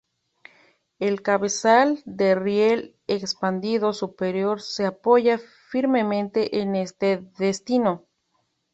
El cabezal del riel expandido superior se apoya firmemente en este destino.